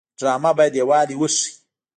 ډرامه باید یووالی وښيي